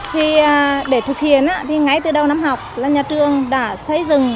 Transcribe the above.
thì để thực hiện thì ngay từ đầu năm học là nhà trường đã xây dựng